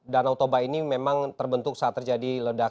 danau toba ini memang terbentuk saat terjadi ledakan